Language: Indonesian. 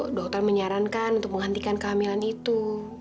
waktu itu dokter menyarankan untuk menghentikan kehamilan itu